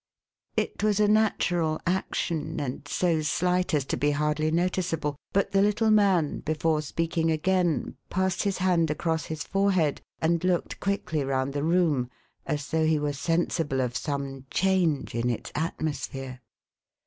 It was a natural action, and so slight as to be hardly noticeable ; but the little man, before speaking again, passed his hand across his forehead, and looked quickly round the room, as though he were sensible of some change in its atmosphere.